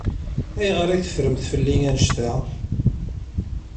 Ayɣer i teffremt fell-i annect-a?